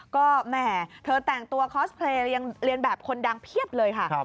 ก็แหม่เธอแต่งตัวคอสเพลย์ยังเรียนแบบคนดังเพียบเลยค่ะ